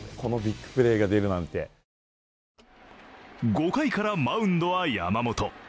５回からマウンドは山本。